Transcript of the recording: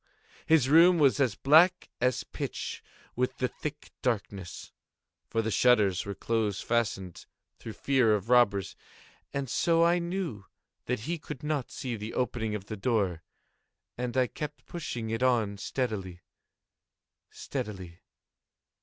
His room was as black as pitch with the thick darkness, (for the shutters were close fastened, through fear of robbers,) and so I knew that he could not see the opening of the door, and I kept pushing it on steadily, steadily.